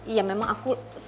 ya memang aku